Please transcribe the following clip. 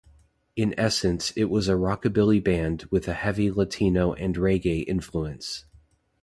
In essence, it was a rockabilly band with a heavy Latino and reggae influence.